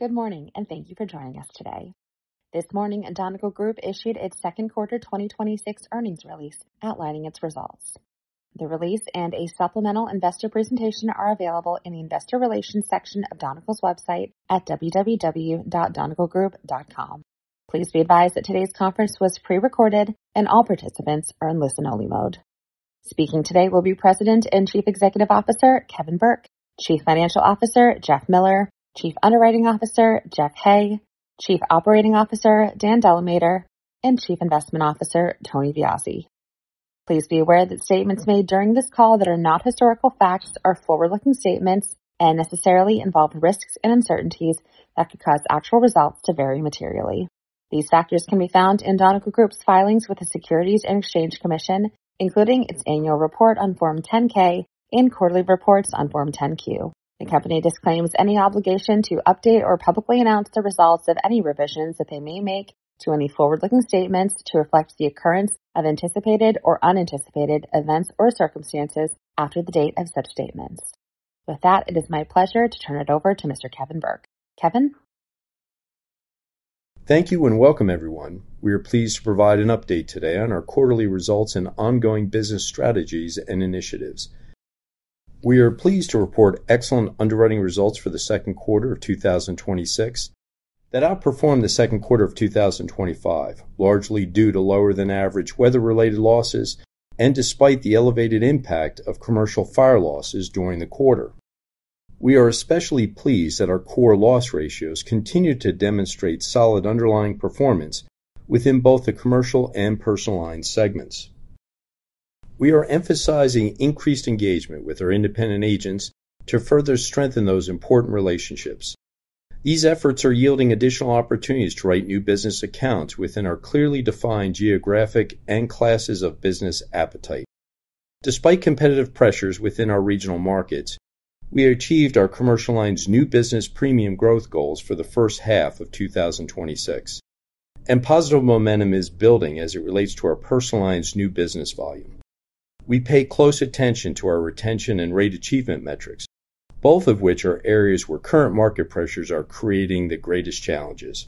Good morning and thank you for joining us today. This morning, Donegal Group issued its second quarter 2026 earnings release outlining its results. The release and a supplemental investor presentation are available in the investor relations section of Donegal's website at www.donegalgroup.com. Please be advised that today's conference was pre-recorded and all participants are in listen-only mode. Speaking today will be President and Chief Executive Officer, Kevin Burke; Chief Financial Officer, Jeff Miller; Chief Underwriting Officer, Jeff Hay; Chief Operating Officer, Dan DeLamater; and Chief Investment Officer, Tony Viozzi. Please be aware that statements made during this call that are not historical facts are forward-looking statements and necessarily involve risks and uncertainties that could cause actual results to vary materially. These factors can be found in Donegal Group's filings with the Securities and Exchange Commission, including its annual report on Form 10-K and quarterly reports on Form 10-Q. The company disclaims any obligation to update or publicly announce the results of any revisions that they may make to any forward-looking statements to reflect the occurrence of anticipated or unanticipated events or circumstances after the date of such statements. With that, it is my pleasure to turn it over to Mr. Kevin Burke. Kevin? Thank you and welcome everyone. We are pleased to provide an update today on our quarterly results and ongoing business strategies and initiatives. We are pleased to report excellent underwriting results for the second quarter of 2026 that outperformed the second quarter of 2025, largely due to lower than average weather-related losses and despite the elevated impact of commercial fire losses during the quarter. We are especially pleased that our core loss ratios continue to demonstrate solid underlying performance within both the commercial and personal line segments. We are emphasizing increased engagement with our independent agents to further strengthen those important relationships. These efforts are yielding additional opportunities to write new business accounts within our clearly defined geographic and classes of business appetite. Despite competitive pressures within our regional markets, we achieved our commercial line's new business premium growth goals for the first half of 2026. Positive momentum is building as it relates to our personal line's new business volume. We pay close attention to our retention and rate achievement metrics, both of which are areas where current market pressures are creating the greatest challenges.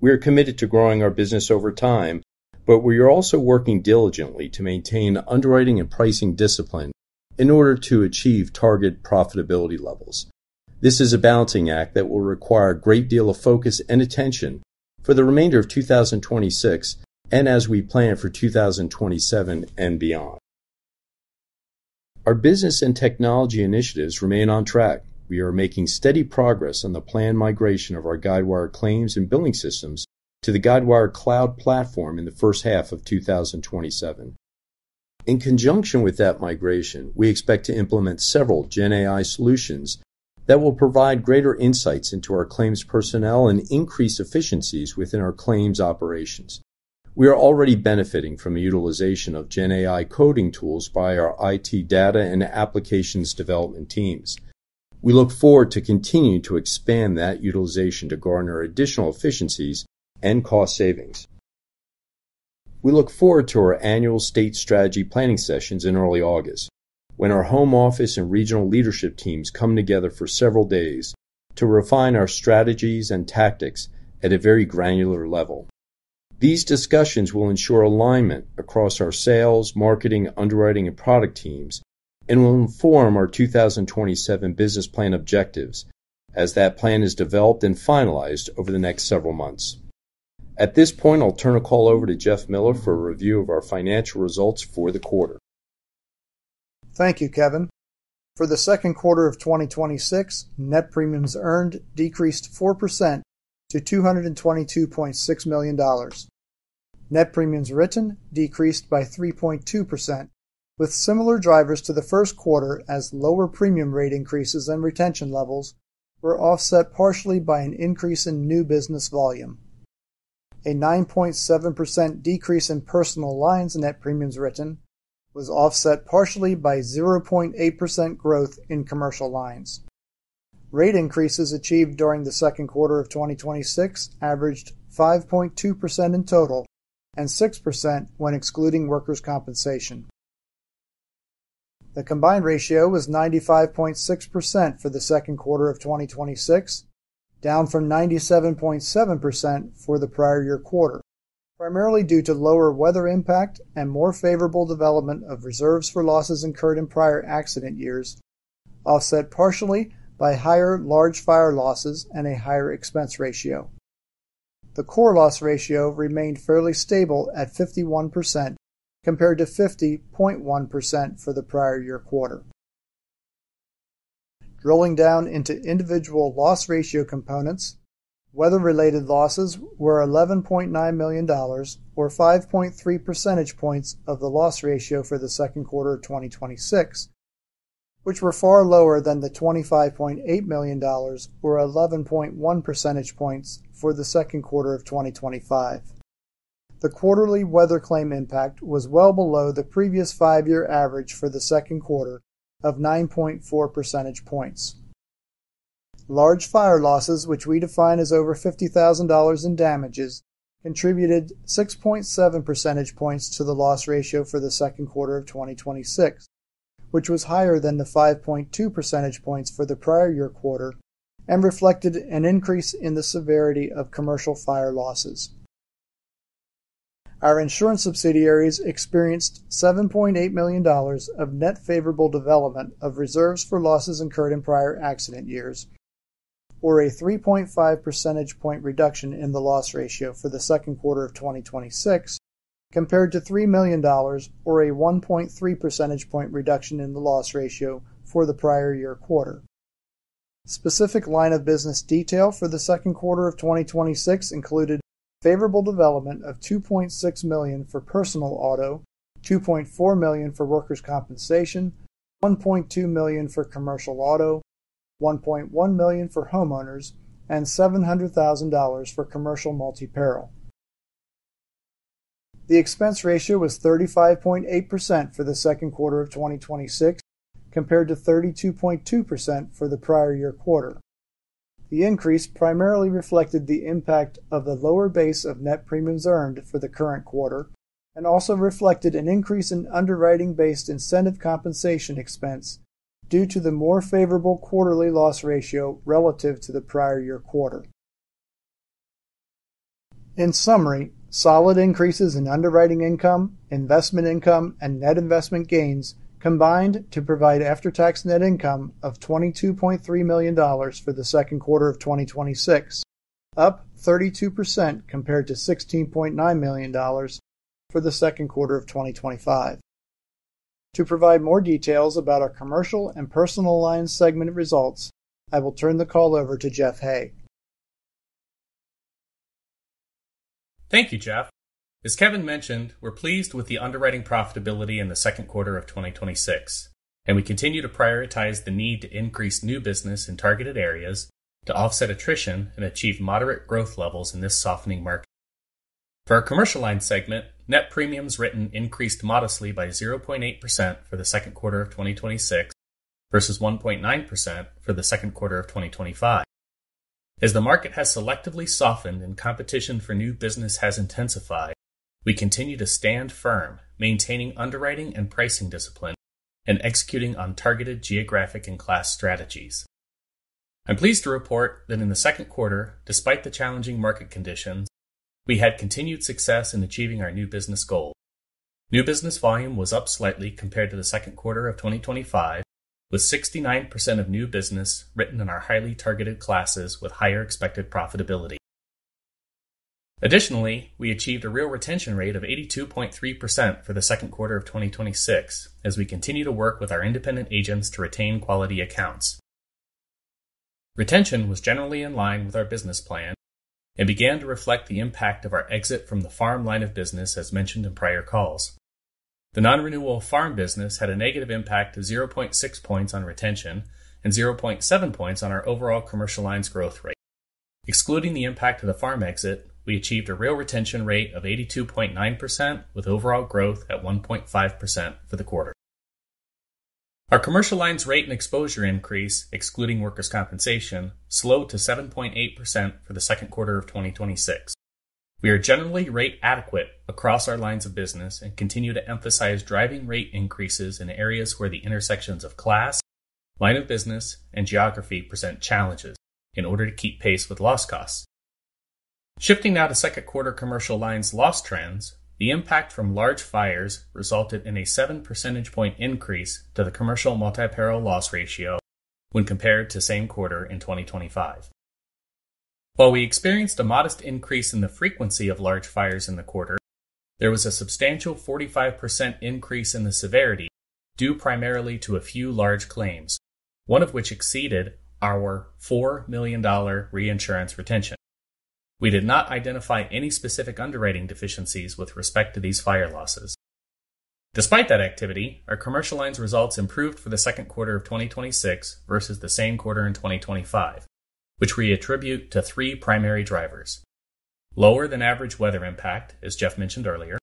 We are committed to growing our business over time, but we are also working diligently to maintain underwriting and pricing discipline in order to achieve target profitability levels. This is a balancing act that will require a great deal of focus and attention for the remainder of 2026 and as we plan for 2027 and beyond. Our business and technology initiatives remain on track. We are making steady progress on the planned migration of our Guidewire claims and billing systems to the Guidewire Cloud platform in the first half of 2027. In conjunction with that migration, we expect to implement several GenAI solutions that will provide greater insights into our claims personnel and increase efficiencies within our claims operations. We are already benefiting from the utilization of GenAI coding tools by our IT data and applications development teams. We look forward to continuing to expand that utilization to garner additional efficiencies and cost savings. We look forward to our annual state strategy planning sessions in early August, when our home office and regional leadership teams come together for several days to refine our strategies and tactics at a very granular level. These discussions will ensure alignment across our sales, marketing, underwriting, and product teams and will inform our 2027 business plan objectives as that plan is developed and finalized over the next several months. At this point, I'll turn the call over to Jeff Miller for a review of our financial results for the quarter. Thank you, Kevin. For the second quarter of 2026, net premiums earned decreased 4% to $222.6 million. Net premiums written decreased by 3.2%, with similar drivers to the first quarter as lower premium rate increases and retention levels were offset partially by an increase in new business volume. A 9.7% decrease in personal lines in net premiums written was offset partially by 0.8% growth in commercial lines. Rate increases achieved during the second quarter of 2026 averaged 5.2% in total and 6% when excluding workers' compensation. The combined ratio was 95.6% for the second quarter of 2026, down from 97.7% for the prior year quarter, primarily due to lower weather impact and more favorable development of reserves for losses incurred in prior accident years, offset partially by higher large fire losses and a higher expense ratio. The core loss ratio remained fairly stable at 51% compared to 50.1% for the prior year quarter. Drilling down into individual loss ratio components, weather-related losses were $11.9 million, or 5.3 percentage points of the loss ratio for the second quarter of 2026, which were far lower than the $25.8 million or 11.1 percentage points for the second quarter of 2025. The quarterly weather claim impact was well below the previous five-year average for the second quarter of 9.4 percentage points. Large fire losses, which we define as over $50,000 in damages, contributed 6.7 percentage points to the loss ratio for the second quarter of 2026, which was higher than the 5.2 percentage points for the prior year quarter and reflected an increase in the severity of commercial fire losses. Our insurance subsidiaries experienced $7.8 million of net favorable development of reserves for losses incurred in prior accident years, or a 3.5 percentage point reduction in the loss ratio for the second quarter of 2026 compared to $3 million, or a 1.3 percentage point reduction in the loss ratio for the prior year quarter. Specific line of business detail for the second quarter of 2026 included favorable development of $2.6 million for personal auto, $2.4 million for workers' compensation, $1.2 million for commercial auto, $1.1 million for homeowners, and $700,000 for commercial multi-peril. The expense ratio was 35.8% for the second quarter of 2026, compared to 32.2% for the prior year quarter. The increase primarily reflected the impact of the lower base of net premiums earned for the current quarter and also reflected an increase in underwriting-based incentive compensation expense due to the more favorable quarterly loss ratio relative to the prior year quarter. In summary, solid increases in underwriting income, investment income, and net investment gains combined to provide after-tax net income of $22.3 million for the second quarter of 2026, up 32% compared to $16.9 million for the second quarter of 2025. To provide more details about our commercial and personal lines segment results, I will turn the call over to Jeff Hay. Thank you, Jeff. As Kevin mentioned, we're pleased with the underwriting profitability in the second quarter of 2026, and we continue to prioritize the need to increase new business in targeted areas to offset attrition and achieve moderate growth levels in this softening market. For our commercial line segment, net premiums written increased modestly by 0.8% for the second quarter of 2026 versus 1.9% for the second quarter of 2025. As the market has selectively softened and competition for new business has intensified, we continue to stand firm, maintaining underwriting and pricing discipline and executing on targeted geographic and class strategies. I'm pleased to report that in the second quarter, despite the challenging market conditions, we had continued success in achieving our new business goals. New business volume was up slightly compared to the second quarter of 2025, with 69% of new business written in our highly targeted classes with higher expected profitability. Additionally, we achieved a real retention rate of 82.3% for the second quarter of 2026 as we continue to work with our independent agents to retain quality accounts. Retention was generally in line with our business plan and began to reflect the impact of our exit from the farm line of business as mentioned in prior calls. The non-renewal farm business had a negative impact of 0.6 points on retention and 0.7 points on our overall commercial lines growth rate. Excluding the impact of the farm exit, we achieved a real retention rate of 82.9%, with overall growth at 1.5% for the quarter. Our commercial lines rate and exposure increase, excluding workers' compensation, slowed to 7.8% for the second quarter of 2026. We are generally rate adequate across our lines of business and continue to emphasize driving rate increases in areas where the intersections of class, line of business, and geography present challenges in order to keep pace with loss costs. Shifting now to second quarter commercial lines loss trends, the impact from large fires resulted in a seven percentage point increase to the commercial multi-peril loss ratio when compared to same quarter in 2025. While we experienced a modest increase in the frequency of large fires in the quarter, there was a substantial 45% increase in the severity due primarily to a few large claims, one of which exceeded our $4 million reinsurance retention. We did not identify any specific underwriting deficiencies with respect to these fire losses. Despite that activity, our commercial lines results improved for the second quarter of 2026 versus the same quarter in 2025, which we attribute to three primary drivers: lower than average weather impact, as Jeff mentioned earlier,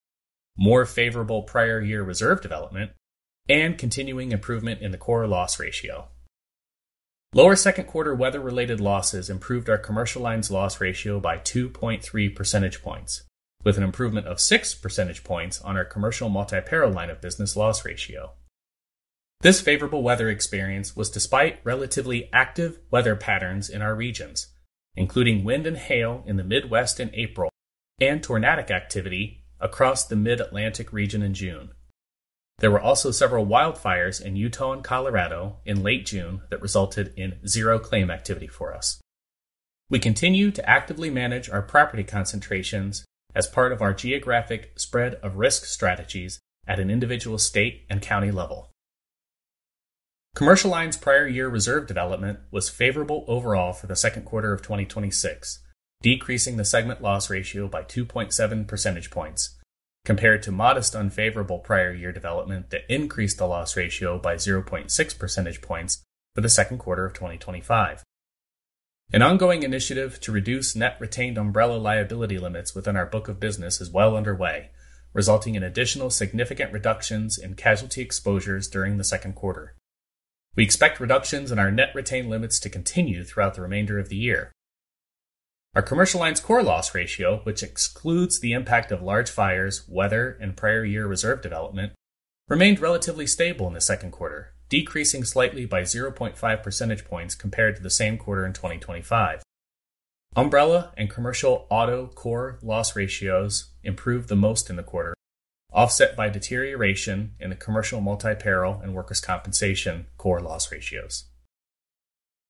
more favorable prior year reserve development, and continuing improvement in the core loss ratio. Lower second quarter weather-related losses improved our commercial lines loss ratio by 2.3 percentage points, with an improvement of six percentage points on our commercial multi-peril line of business loss ratio. This favorable weather experience was despite relatively active weather patterns in our regions, including wind and hail in the Midwest in April and tornadic activity across the Mid-Atlantic region in June. There were also several wildfires in Utah and Colorado in late June that resulted in zero claim activity for us. We continue to actively manage our property concentrations as part of our geographic spread of risk strategies at an individual state and county level. Commercial lines' prior year reserve development was favorable overall for the second quarter of 2026, decreasing the segment loss ratio by 2.7 percentage points compared to modest unfavorable prior year development that increased the loss ratio by 0.6 percentage points for the second quarter of 2025. An ongoing initiative to reduce net retained umbrella liability limits within our book of business is well underway, resulting in additional significant reductions in casualty exposures during the second quarter. We expect reductions in our net retained limits to continue throughout the remainder of the year. Our commercial lines core loss ratio, which excludes the impact of large fires, weather, and prior year reserve development, remained relatively stable in the second quarter, decreasing slightly by 0.5 percentage points compared to the same quarter in 2025. Umbrella and commercial auto core loss ratios improved the most in the quarter, offset by deterioration in the commercial multi-peril and workers' compensation core loss ratios.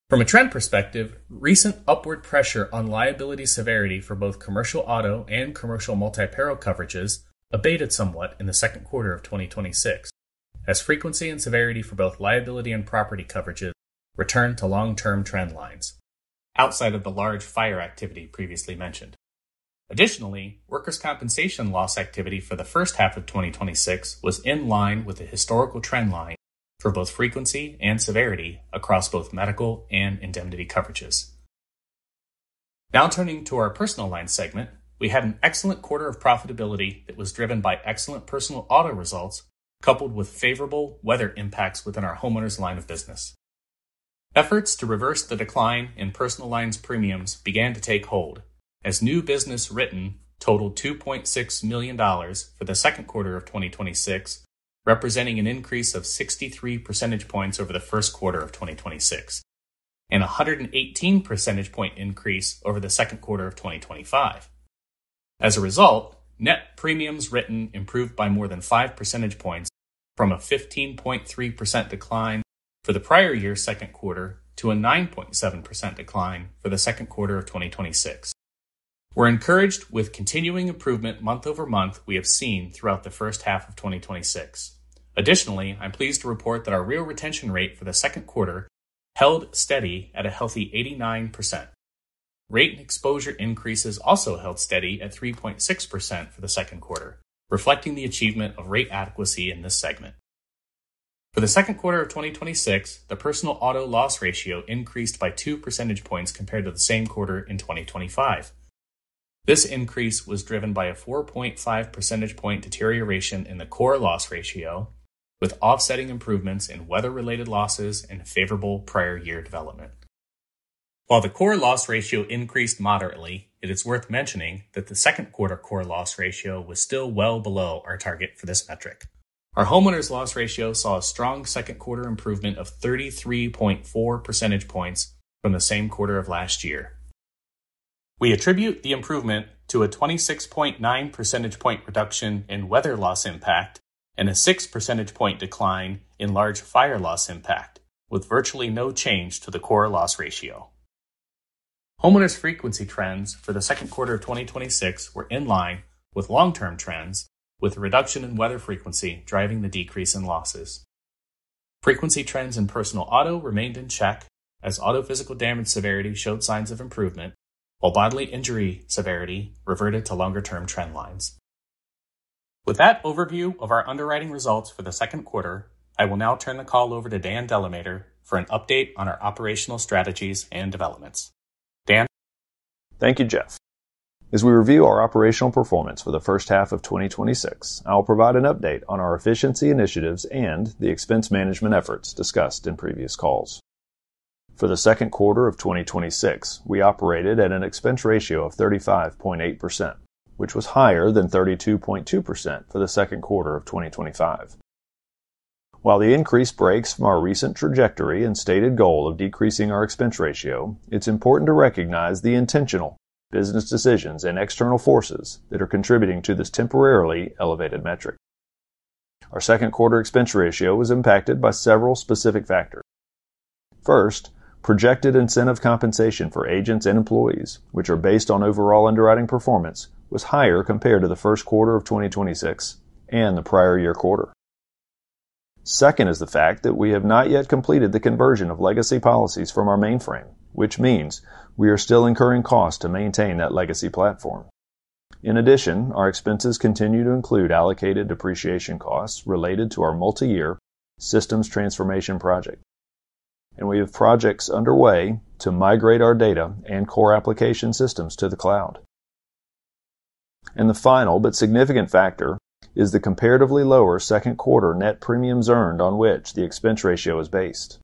From a trend perspective, recent upward pressure on liability severity for both commercial auto and commercial multi-peril coverages abated somewhat in the second quarter of 2026, as frequency and severity for both liability and property coverages returned to long-term trend lines, outside of the large fire activity previously mentioned. Additionally, workers' compensation loss activity for the first half of 2026 was in line with the historical trend line for both frequency and severity across both medical and indemnity coverages. Now turning to our Personal Lines segment, we had an excellent quarter of profitability that was driven by excellent personal auto results, coupled with favorable weather impacts within our homeowners line of business. Efforts to reverse the decline in Personal Lines premiums began to take hold as new business written totaled $2.6 million for the second quarter of 2026, representing an increase of 63 percentage points over the first quarter of 2026, and 118 percentage point increase over the second quarter of 2025. As a result, net premiums written improved by more than five percentage points from a 15.3% decline for the prior year second quarter to a 9.7% decline for the second quarter of 2026. We're encouraged with continuing improvement month-over-month we have seen throughout the first half of 2026. Additionally, I'm pleased to report that our real retention rate for the second quarter held steady at a healthy 89%. Rate and exposure increases also held steady at 3.6% for the second quarter, reflecting the achievement of rate adequacy in this segment. For the second quarter of 2026, the personal auto loss ratio increased by two percentage points compared to the same quarter in 2025. This increase was driven by a 4.5 percentage point deterioration in the core loss ratio, with offsetting improvements in weather-related losses and favorable prior year development. While the core loss ratio increased moderately, it is worth mentioning that the second quarter core loss ratio was still well below our target for this metric. Our homeowners loss ratio saw a strong second quarter improvement of 33.4 percentage points from the same quarter of last year. We attribute the improvement to a 26.9 percentage point reduction in weather loss impact and a six percentage point decline in large fire loss impact, with virtually no change to the core loss ratio. Homeowners frequency trends for the second quarter of 2026 were in line with long-term trends, with a reduction in weather frequency driving the decrease in losses. Frequency trends in personal auto remained in check as auto physical damage severity showed signs of improvement, while bodily injury severity reverted to longer-term trend lines. With that overview of our underwriting results for the second quarter, I will now turn the call over to Dan DeLamater for an update on our operational strategies and developments. Dan? Thank you, Jeff. As we review our operational performance for the first half of 2026, I will provide an update on our efficiency initiatives and the expense management efforts discussed in previous calls. For the second quarter of 2026, we operated at an expense ratio of 35.8%, which was higher than 32.2% for the second quarter of 2025. While the increase breaks from our recent trajectory and stated goal of decreasing our expense ratio, it's important to recognize the intentional business decisions and external forces that are contributing to this temporarily elevated metric. Our second quarter expense ratio was impacted by several specific factors. First, projected incentive compensation for agents and employees, which are based on overall underwriting performance, was higher compared to the first quarter of 2026 and the prior year quarter. Second is the fact that we have not yet completed the conversion of legacy policies from our mainframe, which means we are still incurring costs to maintain that legacy platform. In addition, our expenses continue to include allocated depreciation costs related to our multi-year systems transformation project. We have projects underway to migrate our data and core application systems to the cloud. The final but significant factor is the comparatively lower second quarter net premiums earned on which the expense ratio is based.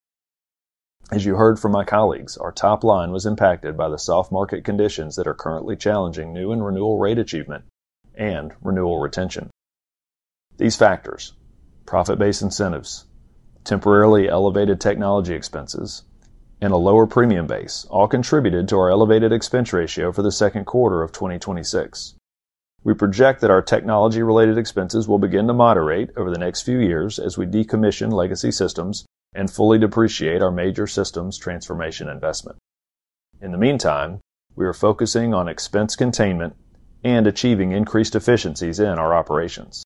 As you heard from my colleagues, our top line was impacted by the soft market conditions that are currently challenging new and renewal rate achievement and renewal retention. These factors, profit-based incentives, temporarily elevated technology expenses, and a lower premium base, all contributed to our elevated expense ratio for the second quarter of 2026. We project that our technology-related expenses will begin to moderate over the next few years as we decommission legacy systems and fully depreciate our major systems transformation investment. In the meantime, we are focusing on expense containment and achieving increased efficiencies in our operations.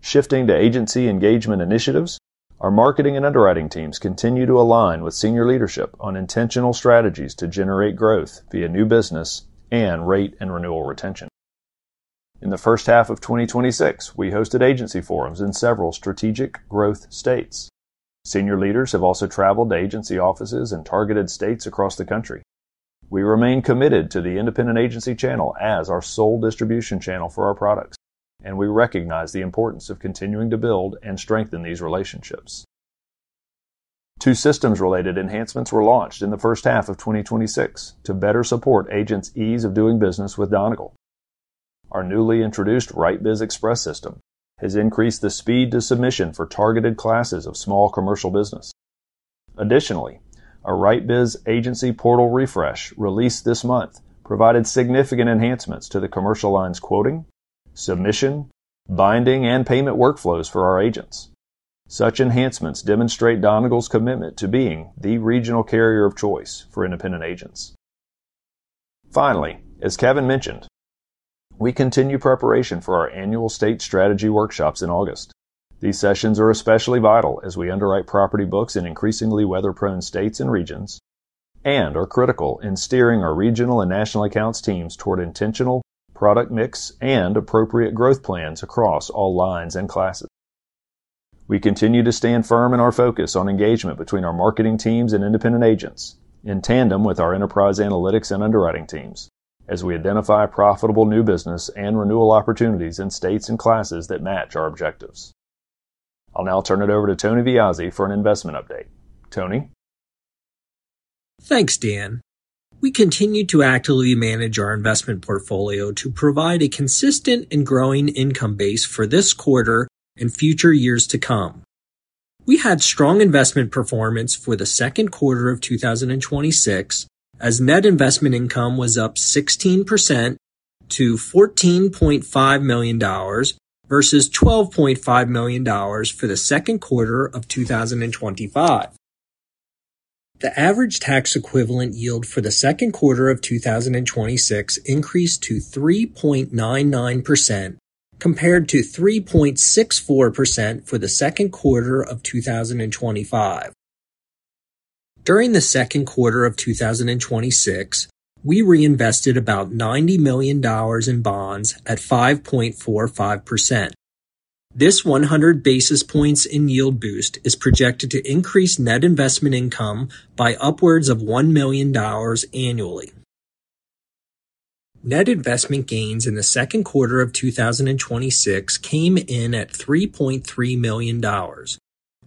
Shifting to agency engagement initiatives, our marketing and underwriting teams continue to align with senior leadership on intentional strategies to generate growth via new business and rate and renewal retention. In the first half of 2026, we hosted agency forums in several strategic growth states. Senior leaders have also traveled to agency offices in targeted states across the country. We remain committed to the independent agency channel as our sole distribution channel for our products, and we recognize the importance of continuing to build and strengthen these relationships. Two systems-related enhancements were launched in the first half of 2026 to better support agents' ease of doing business with Donegal. Our newly introduced WriteBiz Express system has increased the speed to submission for targeted classes of small commercial business. Additionally, a WriteBiz agency portal refresh released this month provided significant enhancements to the commercial lines quoting, submission, binding, and payment workflows for our agents. Such enhancements demonstrate Donegal's commitment to being the regional carrier of choice for independent agents. Finally, as Kevin mentioned, we continue preparation for our annual state strategy workshops in August. These sessions are especially vital as we underwrite property books in increasingly weather-prone states and regions and are critical in steering our regional and national accounts teams toward intentional product mix and appropriate growth plans across all lines and classes. We continue to stand firm in our focus on engagement between our marketing teams and independent agents in tandem with our enterprise analytics and underwriting teams as we identify profitable new business and renewal opportunities in states and classes that match our objectives. I'll now turn it over to Tony Viozzi for an investment update. Tony? Thanks, Dan. We continue to actively manage our investment portfolio to provide a consistent and growing income base for this quarter and future years to come. We had strong investment performance for the second quarter of 2026 as net investment income was up 16% to $14.5 million versus $12.5 million for the second quarter of 2025. The average tax equivalent yield for the second quarter of 2026 increased to 3.99%, compared to 3.64% for the second quarter of 2025. During the second quarter of 2026, we reinvested about $90 million in bonds at 5.45%. This 100 basis points in yield boost is projected to increase net investment income by upwards of $1 million annually. Net investment gains in the second quarter of 2026 came in at $3.3 million,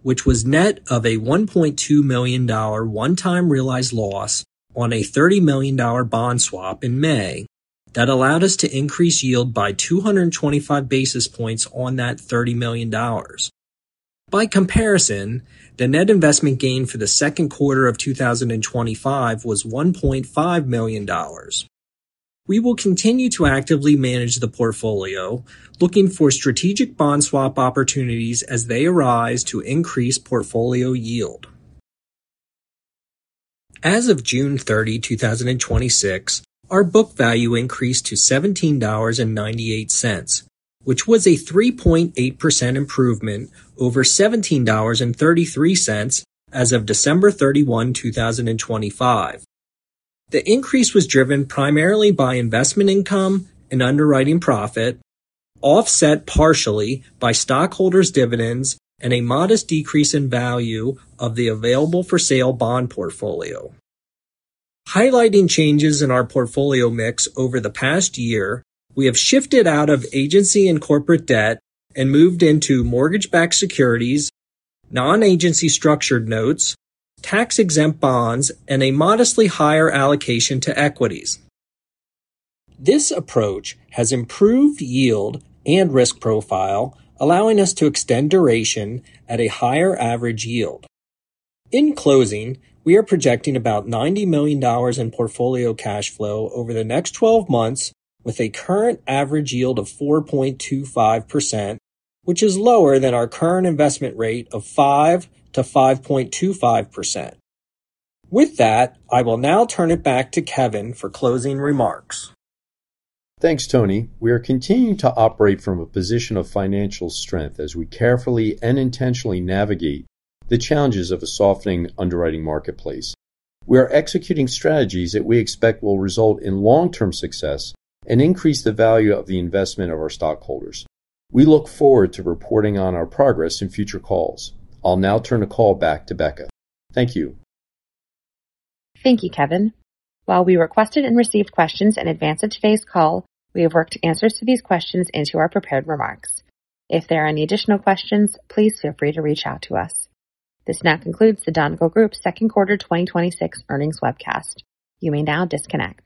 which was net of a $1.2 million one-time realized loss on a $30 million bond swap in May. That allowed us to increase yield by 225 basis points on that $30 million. By comparison, the net investment gain for the second quarter of 2025 was $1.5 million. We will continue to actively manage the portfolio, looking for strategic bond swap opportunities as they arise to increase portfolio yield. As of June 30, 2026, our book value increased to $17.98, which was a 3.8% improvement over $17.33 as of December 31, 2025. The increase was driven primarily by investment income and underwriting profit, offset partially by stockholders' dividends and a modest decrease in value of the available-for-sale bond portfolio. Highlighting changes in our portfolio mix over the past year, we have shifted out of agency and corporate debt and moved into mortgage-backed securities, non-agency structured notes, tax-exempt bonds, and a modestly higher allocation to equities. This approach has improved yield and risk profile, allowing us to extend duration at a higher average yield. In closing, we are projecting about $90 million in portfolio cash flow over the next 12 months with a current average yield of 4.25%, which is lower than our current investment rate of 5%-5.25%. With that, I will now turn it back to Kevin for closing remarks. Thanks, Tony. We are continuing to operate from a position of financial strength as we carefully and intentionally navigate the challenges of a softening underwriting marketplace. We are executing strategies that we expect will result in long-term success and increase the value of the investment of our stockholders. We look forward to reporting on our progress in future calls. I'll now turn the call back to Becca. Thank you. Thank you, Kevin. While we requested and received questions in advance of today's call, we have worked answers to these questions into our prepared remarks. If there are any additional questions, please feel free to reach out to us. This now concludes Donegal Group's second quarter 2026 earnings webcast. You may now disconnect